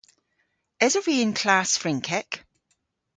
Esov vy y'n klass Frynkek?